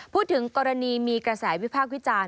พูดถึงกรณีมีกระแสวิพากษ์วิจารณ์